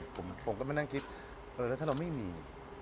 ผมก็ไม่ต้องคิดแล้วถ้าเราไม่มี